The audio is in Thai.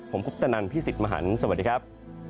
ผมคุปตนันพี่สิทธิ์มหันฯสวัสดีครับ